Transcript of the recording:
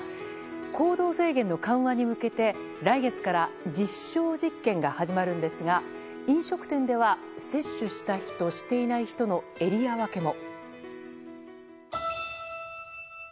行動制限の緩和に向けて来月から実証実験が始まるんですが飲食店では接種した人、していない人のエリア分けも。